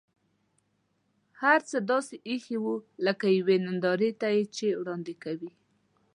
هر څه داسې اېښي و لکه یوې نندارې ته یې چې وړاندې کوي.